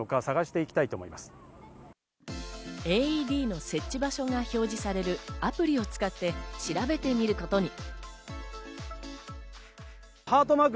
ＡＥＤの設置場所が表示されるアプリを使って調べてみることに。